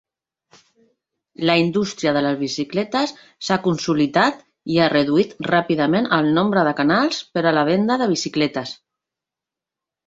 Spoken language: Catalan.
La indústria de les bicicletes s'ha consolidat i ha reduït ràpidament el nombre de canals per a la venda de bicicletes.